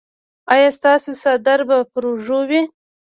ایا ستاسو څادر به پر اوږه وي؟